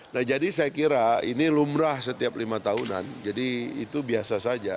nah jadi saya kira ini lumrah setiap lima tahunan jadi itu biasa saja